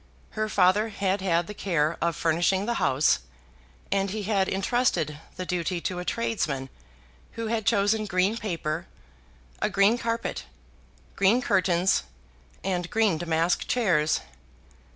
Her father had had the care of furnishing the house, and he had intrusted the duty to a tradesman who had chosen green paper, a green carpet, green curtains, and green damask chairs.